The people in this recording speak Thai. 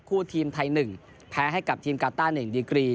ทีมไทย๑แพ้ให้กับทีมกาต้า๑ดีกรี